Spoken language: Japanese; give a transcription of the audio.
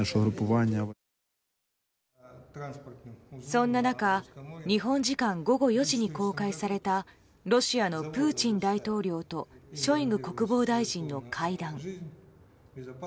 そんな中日本時間午後４時に公開されたロシアのプーチン大統領とショイグ国防大臣の会談。